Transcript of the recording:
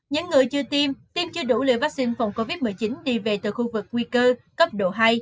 những người chưa tiêm tiêm chưa đủ liều vaccine phòng covid một mươi chín đi về từ khu vực nguy cơ cấp độ hai